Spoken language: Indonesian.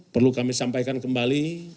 perlu kami sampaikan kembali